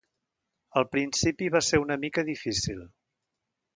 Al principi va ser una mica difícil.